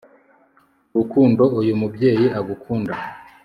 urukundo uyu mubyeyi agukunda